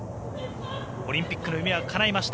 オリンピックの夢はかないました。